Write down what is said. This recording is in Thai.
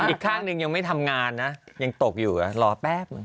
อีกข้างหนึ่งยังไม่ทำงานนะยังตกอยู่เดี๋ยวรอแป๊บ